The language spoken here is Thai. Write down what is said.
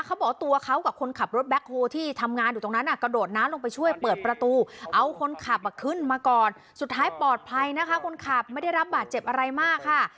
เขาบอกตัวเขากับคนขับรถแบ็คโฮที่ทำงานอยู่ตรงนั้นกระโดดน้ำลงไปช่วยเปิดประตูเอาคนขับขึ้นมาก่อนสุดท้ายปลอดภัยนะคะคนขับไม่ได้รับบาดเจ็บอะไรมากค่ะ